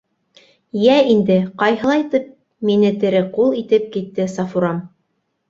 Йә инде, ҡайһылайтып мине тере ҡул итеп китте Сафурам.